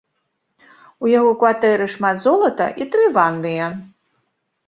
У яго у кватэры шмат золата і тры ванныя.